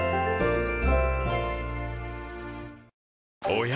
おや？